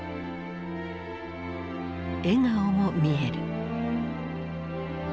笑顔も見える。